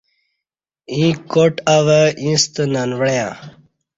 ییں کاٹ اوہ ییݩستہ ننوعݩہ